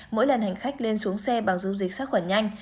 mỗi lần hành khách lên xuống xe bằng dung dịch sát khuẩn nhanh